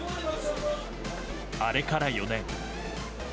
あれから４年。